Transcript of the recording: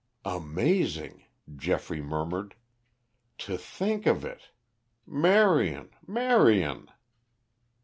"Amazing," Geoffrey murmured. "To think of it! Marion, Marion!"